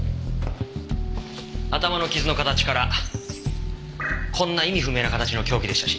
頭の傷の形からこんな意味不明な形の凶器でしたし。